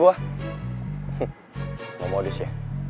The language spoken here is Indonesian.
gak mau disini